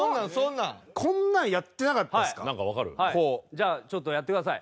じゃあちょっとやってください。